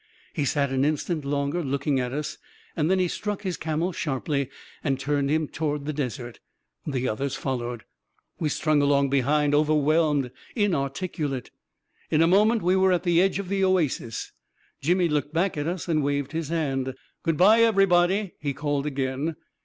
" He sat an instant longer looking at us, then he struck his camel sharply, and turned him toward the desert. The others followed ... We strung along behind, overwhelmed, inarticu late ... In a moment we were at the edge of the oasis. Jimmy looked back at us and waved his hand. " Good bye, everybody !" he called again.